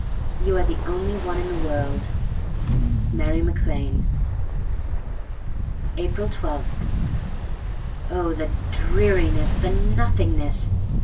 — you are the only one in the world. "Mary Mac Lane." Hptfl 12. OH, THE dreariness, the Nothing ness!